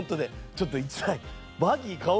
ちょっと１台。